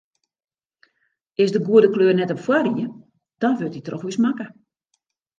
Is de goede kleur net op foarried, dan wurdt dy troch ús makke.